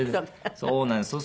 そうなんです。